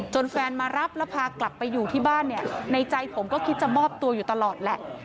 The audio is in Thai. แฟนมารับแล้วพากลับไปอยู่ที่บ้านเนี่ยในใจผมก็คิดจะมอบตัวอยู่ตลอดแหละ